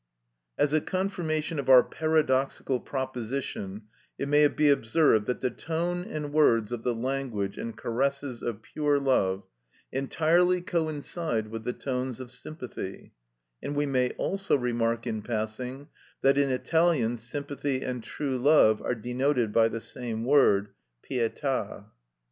As a confirmation of our paradoxical proposition it may be observed that the tone and words of the language and caresses of pure love, entirely coincide with the tones of sympathy; and we may also remark in passing that in Italian sympathy and true love are denoted by the same word pietà.